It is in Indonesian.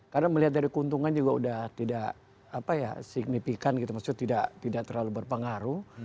karena melihat dari keuntungan juga sudah tidak signifikan tidak terlalu berpengaruh